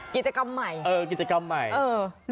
กิจกรรมใหม่เออกิจกรรมใหม่เออ